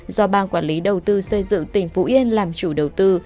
do bang quản lý đầu tư xây dựng tỉnh phú yên làm chủ đầu tư